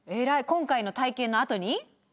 今回の体験のあとに？